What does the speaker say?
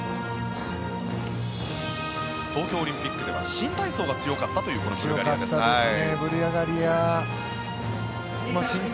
東京オリンピックでは新体操が強かったというこのブルガリアです。